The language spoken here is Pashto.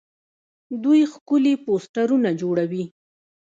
دوی ښکلي پوسټرونه جوړوي.